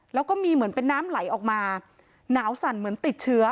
แล้วก็มีเหมือนเป็นน้ำไหลออกมาหนาวสั่นเหมือนติดเชื้อ